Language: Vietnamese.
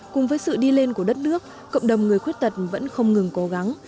cùng với sự đi lên của đất nước cộng đồng người khuyết tật vẫn không ngừng cố gắng